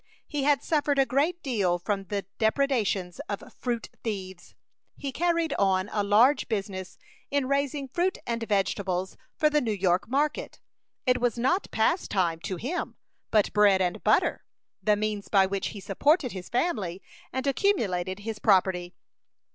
He had suffered a great deal from the depredations of fruit thieves. He carried on a large business in raising fruit and vegetables for the New York market. It was not pastime to him, but bread and butter the means by which he supported his family and accumulated his property.